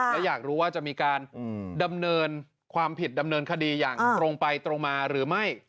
และอยากรู้ว่าจะมีการดำเนินความผิดดำเนินคดีอย่างตรงไปตรงมาหรือไม่